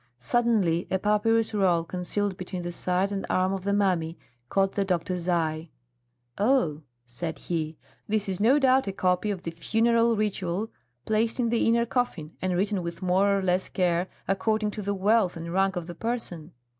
Suddenly a papyrus roll concealed between the side and arm of the mummy caught the doctor's eye. "Oh!" said he, "this is no doubt a copy of the funeral ritual placed in the inner coffin and written with more or less care according to the wealth and rank of the person."